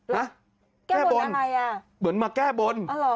มากกว่าแก้บนอะไรมันเหมือนมาแก้บน